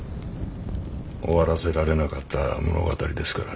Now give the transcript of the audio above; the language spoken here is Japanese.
終わらせられなかった物語ですからね。